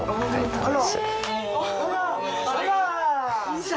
あら。